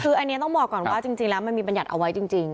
คืออันนี้ต้องบอกก่อนว่าจริงแล้วมันมีบัญญัติเอาไว้จริง